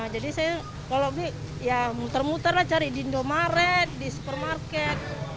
jadi saya kalau muter muter cari di indomaret di supermarket